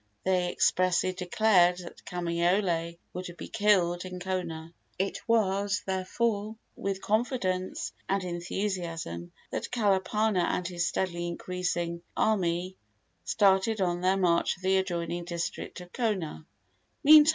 They expressly declared that Kamaiole would be killed in Kona. It was, therefore, with confidence and enthusiasm that Kalapana and his steadily increasing army started on their march for the adjoining district of Kona.